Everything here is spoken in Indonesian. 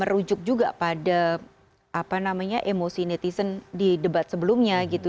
merujuk juga pada apa namanya emosi netizen di debat sebelumnya gitu